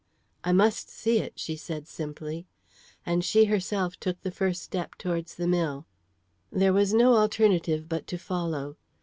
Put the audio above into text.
"I must see it," she said, simply; and she herself took the first step towards the mill. There was no alternative but to follow.